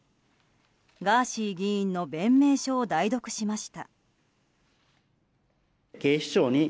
ガーシー議員の弁明書を代読しました。